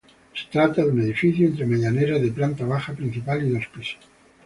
Se trata de un edificio entre medianeras de planta baja, principal y dos pisos.